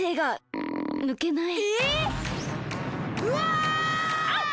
うわ！